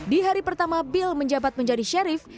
di hari pertama bill menjabat menjadi sheriff